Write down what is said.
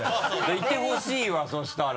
いてほしいわそしたら。